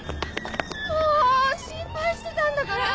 もう心配してたんだから！